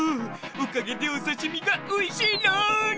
おかげでおさしみがおいしいろん！